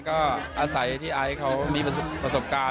ก็อาศัยที่ไอซ์เขามีประสบการณ์